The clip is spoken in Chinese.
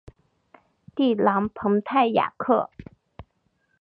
蒂朗蓬泰雅克。